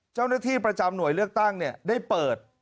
เจ้าหน้าที่ประจำหน่วยเลือกตั้งได้เปิด